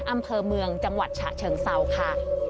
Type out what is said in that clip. อำเภอเมืองจังหวัดฉะเชิงเศร้าค่ะ